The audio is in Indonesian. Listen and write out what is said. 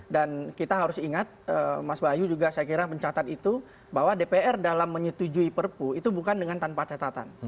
dan kita harus ingat mas bayu juga saya kira mencatat itu bahwa dpr dalam menyetujui perpu itu bukan dengan tanpa catatan